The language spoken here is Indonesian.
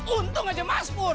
untung aja mas pur